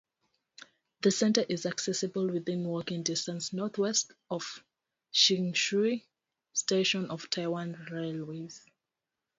The center is accessible within walking distance northwest of Qingshui Station of Taiwan Railways.